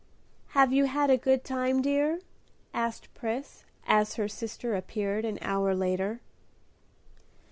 "Have you had a good time, dear?" asked Pris, as her sister appeared an hour later.